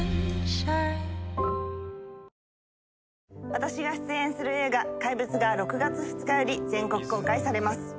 私が出演する映画『怪物』が６月２日より全国公開されます。